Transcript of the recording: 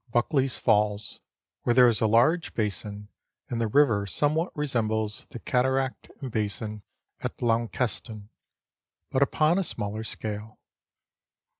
293 Buckley's Falls, where there is a large basin, and the river some what resembles the cataract and basiu at Launceston, but upon a Smaller scale.